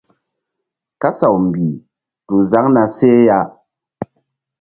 Kasaw mbih tu zaŋ na seh ya.